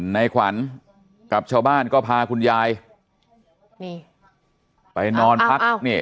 นายขวัญกลับเช่าบ้านก็พาคุณยายไปนอนพัก